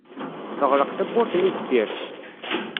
Teɣleq tawwurt-nni deffir-s.